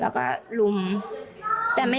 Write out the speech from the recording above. แล้วก็ลุมแต่ไม่